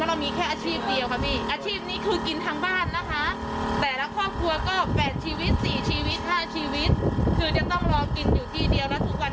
แต่ไม่ได้เลยค่ะขาดทุนยักษ์เยินที่ขาดจังหวัดลงมาช่วยแนะนำว่าเราจะทำอะไรได้บ้าง